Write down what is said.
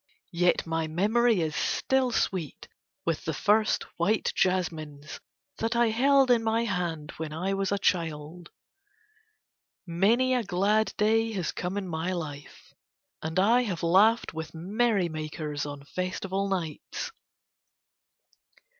Yet my memory is still sweet with the first white jasmines that I held in my hand when I was a child. Many a glad day has come in my life, and I have laughed with merrymakers on festival nights.